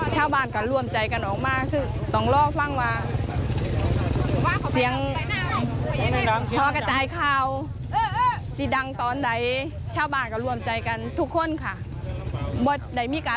ใจกันมานี่ตลอดเลยค่ะแทบทุกปีค่ะ